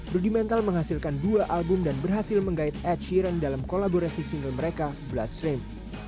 rudimental menghasilkan dua album dan berhasil menggait ed sheeran dalam kolaborasi single mereka bloodstream